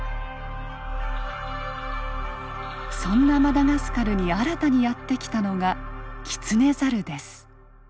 そんなマダガスカルに新たにやって来たのがキツネザルです。